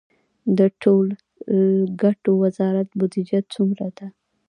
د ټولګټو وزارت بودیجه څومره ده؟